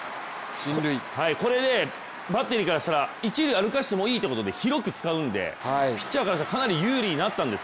これでバッテリーからしたら一塁を歩かせてもいいということで広く使うんで、ピッチャーからしたらかなり有利になったんです。